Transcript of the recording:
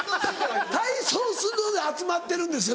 体操するので集まってるんですよ